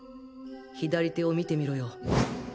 左手を見てみろよ。